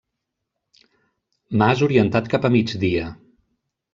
Mas orientat cap a migdia.